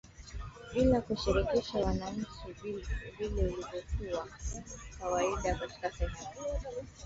bilakushirikisha wananchi jinsi ilivyokuwa kawaida katika sehemu